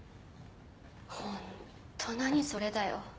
ホント何それだよ。